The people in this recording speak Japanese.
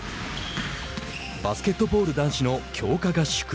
バスケットボール男子の強化合宿。